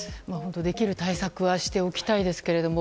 できる対策はしておきたいですけれども